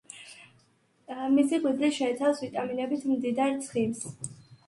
მისი ღვიძლი შეიცავს ვიტამინებით მდიდარ ცხიმს.